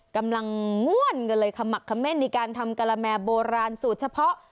กำลังง่วนกันเลยขมักเม่นในการทำกะละแมโบราณสูตรเฉพาะ